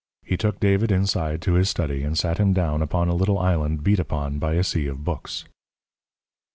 He took David inside to his study and sat him down upon a little island beat upon by a sea of books.